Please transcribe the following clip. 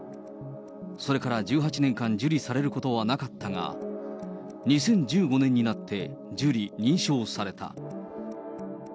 それから１８年間、受理されることはなかったが、２０１５年になって受理、認証された。